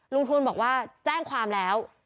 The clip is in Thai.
ทวนบอกว่าแจ้งความแล้ว